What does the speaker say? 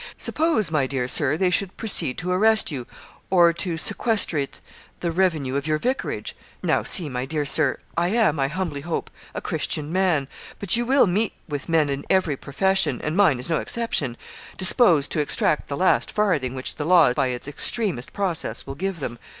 Suppose, my dear Sir, they should proceed to arrest you, or to sequestrate the revenue of your vicarage. Now, see, my dear Sir, I am, I humbly hope, a Christian man; but you will meet with men in every profession and mine is no exception disposed to extract the last farthing which the law by its extremest process will give them.